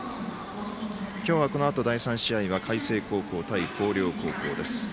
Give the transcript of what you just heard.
今日はこのあと第３試合は海星高校対広陵高校です。